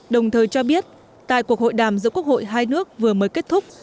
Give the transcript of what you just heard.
đồng thời cho biết tại cuộc hội đàm giữa quốc hội hai nước vừa mới kết thúc